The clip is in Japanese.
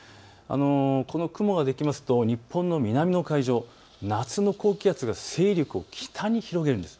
この雲ができますと日本の南の海上、夏の高気圧が勢力を北に広げるんです。